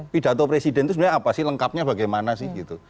pidato presiden itu sebenarnya apa sih lengkapnya bagaimana sih gitu